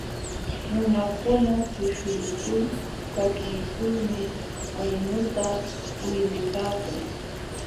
Nunakuna tuśhuykul takiykulmi waynuta uylipaakun.